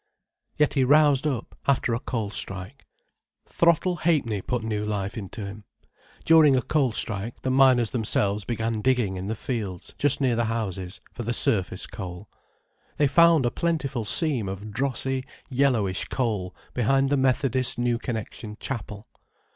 Yet he roused up, after a coal strike. Throttle Ha'penny put new life into him. During a coal strike the miners themselves began digging in the fields, just near the houses, for the surface coal. They found a plentiful seam of drossy, yellowish coal behind the Methodist New Connection Chapel.